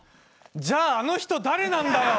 じゃああの人誰なんだよ！